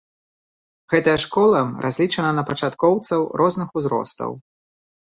Гэтая школка разлічана на пачаткоўцаў розных узростаў.